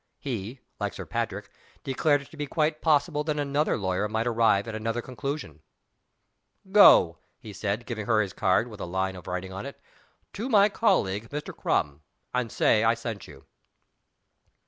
He, like Sir Patrick, declared it to be quite possible that another lawyer might arrive at another conclusion. "Go," he said, giving her his card, with a line of writing on it, "to my colleague, Mr. Crum; and say I sent you."